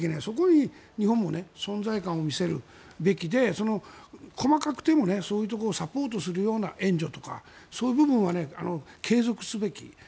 そこに日本も存在感を見せるべきで細かくてもそういうところをサポートする援助とかそういう部分は継続すべき。